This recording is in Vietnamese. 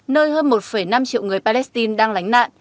nơi hơn một năm triệu người palestine đang lánh nạn